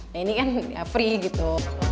nah ini kan free gitu